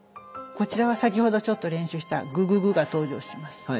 こちらは先ほどちょっと練習したぐぐぐが登場します。